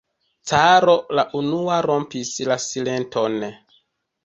Caro la unua rompis la silenton.